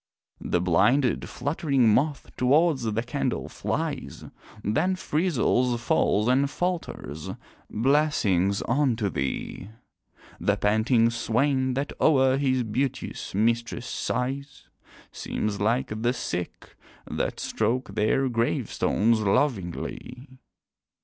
The blinded, fluttering moth towards the candle flies, Then frizzles, falls, and falters "Blessings unto thee" The panting swain that o'er his beauteous mistress sighs, Seems like the Sick, that stroke their gravestones lovingly.